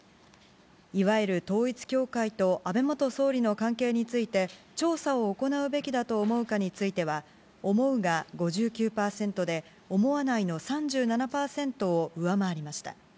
いわゆる統一教会と安倍元総理の関係について、調査を行うべきだと思うかについては、思うが５９％で、思わないの３７％を上回りました。